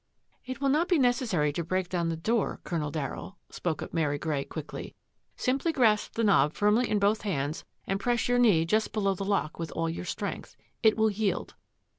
" It will not be necessary to break down the door, Colonel Darryll," spoke up Mary Grey quickly. " Simply grasp the knob firmly in both hands and press your knee just below the lock with all your strength. It will yield."